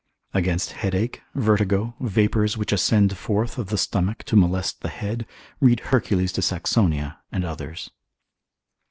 Against headache, vertigo, vapours which ascend forth of the stomach to molest the head, read Hercules de Saxonia, and others.